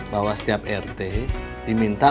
bahwa setiap rt diminta